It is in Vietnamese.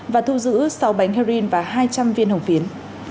và thu giữ sáu bánh heroin và hai trăm linh viên hồng phiến